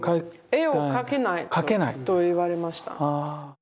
絵を描けないと言われました。